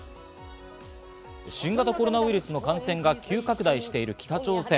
新型コロナウイルスの感染が急拡大している北朝鮮。